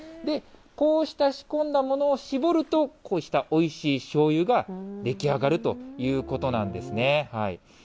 こうした仕込んだものを搾ると、こうしたおいしいしょうゆが出来上がるということなんですね。